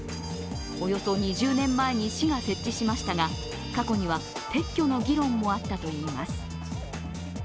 およそ２０年前に市が設置しましたが過去には撤去の議論もあったといいます。